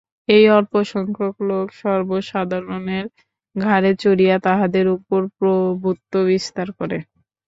এই অল্পসংখ্যক লোক সর্বসাধারণের ঘাড়ে চড়িয়া তাহাদের উপর প্রভুত্ব বিস্তার করে।